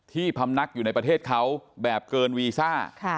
พำนักอยู่ในประเทศเขาแบบเกินวีซ่า